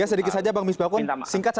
ya sedikit saja bang mies bakun